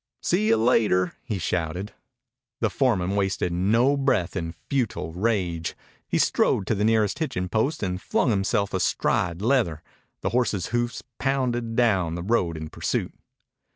"See you later!" he shouted. The foreman wasted no breath in futile rage. He strode to the nearest hitching post and flung himself astride leather. The horse's hoofs pounded down the road in pursuit.